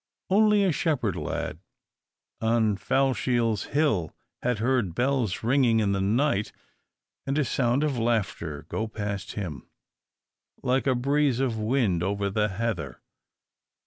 Only a shepherd lad, on Foulshiels hill, had heard bells ringing in the night, and a sound of laughter go past him, like a breeze of wind over the heather.